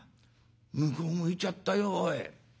向こう向いちゃったよおい」。